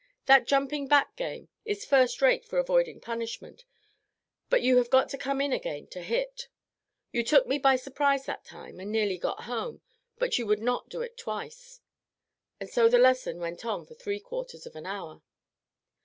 That jumping back game is first rate for avoiding punishment, but you have got to come in again to hit. You took me by surprise that time, and nearly got home, but you would not do it twice," and so the lesson went on for three quarters of an hour.